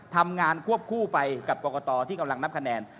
ควบคู่ไปกับกรกตที่กำลังนับคะแนน